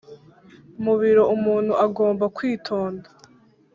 mu birori umuntu agomba kwitonda,